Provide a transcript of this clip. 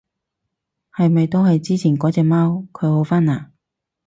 係咪都係之前嗰隻貓？佢好返嘞？